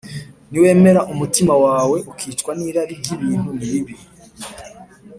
Niwemera umutima wawe ukicwa n’irari ry’ibintu, nibibi